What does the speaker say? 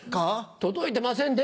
届いてませんね。